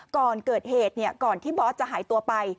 ก่อนเกิดเหตุก่อนที่บอสจะหายตัวไป